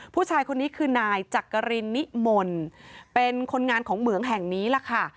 ผู้ชายคนนี้คือนายจักรินนิมนต์เป็นคนงานของเหมืองแห่งนี้ล่ะค่ะ